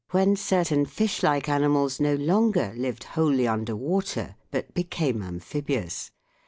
when certain fish like animals no longer lived wholly under water, but became amphibious.